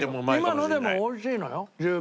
今のでもおいしいのよ十分。